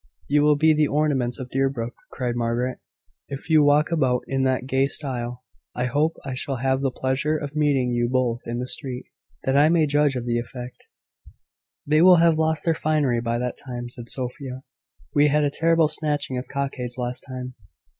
"You will be the ornaments of Deerbrook," said Margaret, "if you walk about in that gay style. I hope I shall have the pleasure of meeting you both in the street, that I may judge of the effect." "They will have lost their finery by that time," said Sophia. "We had a terrible snatching of cockades last time."